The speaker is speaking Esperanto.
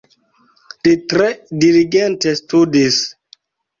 Li tre diligente studis.